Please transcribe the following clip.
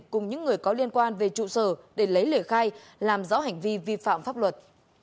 cùng những người có liên quan về trụ sở để lấy lời khai làm rõ hành vi vi phạm pháp luật